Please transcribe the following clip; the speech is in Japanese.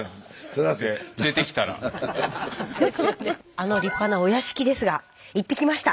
あの立派なお屋敷ですが行ってきました。